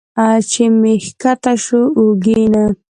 چې مې ښکته شو اوږې نه